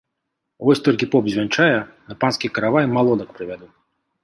Вось толькі поп звянчае, на панскі каравай малодак прывяду.